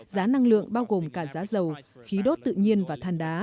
giá năng lượng bao gồm cả giá dầu khí đốt tự nhiên và than đá